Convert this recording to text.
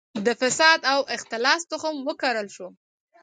د فساد او اختلاس تخم وکرل شو.